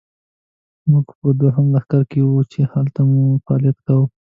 موږ په دوهم لښکر کې وو، چې هلته مو فعالیت کاوه.